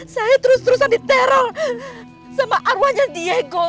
saya terus terusan diteror sama arwanya diego